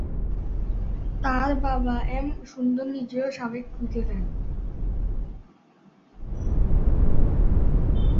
তাঁর বাবা এম সুন্দর নিজেও সাবেক ক্রিকেটার।